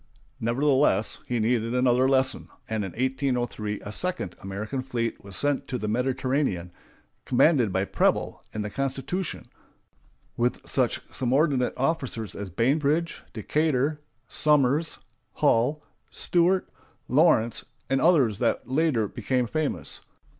Nevertheless, he needed another lesson, and in 1803 a second American fleet was sent to the Mediterranean, commanded by Preble, in the Constitution, with such subordinate officers as Bainbridge, Decatur, Somers, Hull, Stewart, Lawrence, and others that later became famous.